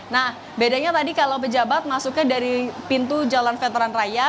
nah bedanya tadi kalau pejabat masuknya dari pintu jalan veteran raya